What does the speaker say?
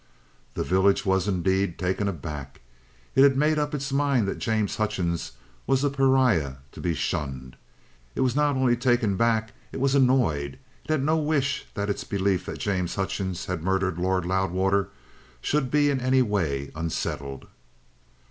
The village was, indeed, taken aback. It had made up its mind that James Hutchings was a pariah to be shunned. It was not only taken aback, it was annoyed. It had no wish that its belief that James Hutchings had murdered Lord Loudwater should be in any way unsettled.